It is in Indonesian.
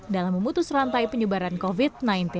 dalam memutus rantai penyebaran covid sembilan belas